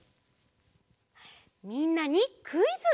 みんなにクイズ！